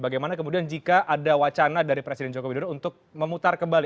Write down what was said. bagaimana kemudian jika ada wacana dari presiden joko widodo untuk memutar kembali